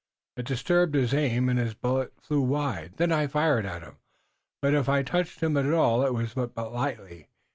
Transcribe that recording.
It disturbed his aim, and his bullet flew wide. Then I fired at him, but if I touched him at all it was but lightly.